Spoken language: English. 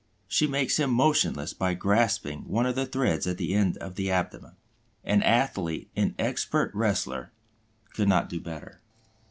She makes him motionless by grasping one of the threads at the end of the abdomen. An athlete, an expert wrestler, could not do better.